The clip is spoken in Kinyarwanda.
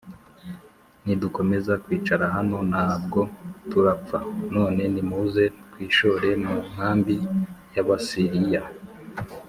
Nidukomeza kwicara hano nabwo turapfa none nimuze twishore mu nkambi y abasiriya